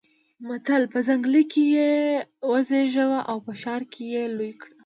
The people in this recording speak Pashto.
متل: په ځنګله کې يې وزېږوه او په ښار کې يې لوی کړه.